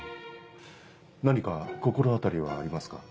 何か心当たりはありますか？